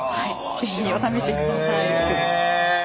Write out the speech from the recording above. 是非お試しください。